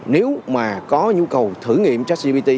nếu mà có nhu cầu thử nghiệm chách gbt